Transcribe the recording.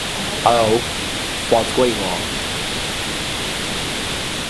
Frosts can even occur during the summer months.